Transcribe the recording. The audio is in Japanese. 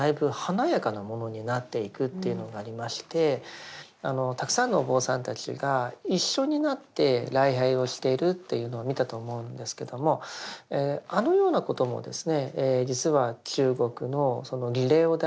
実際にそのたくさんのお坊さんたちが一緒になって礼拝をしているというのを見たと思うんですけどもあのようなこともですね